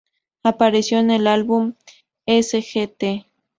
Apareció en el álbum "Sgt.